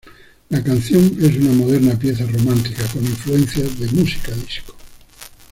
La canción es una moderna pieza romántica con influencias de música disco.